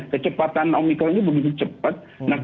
kecepatan omikron ini begitu cepat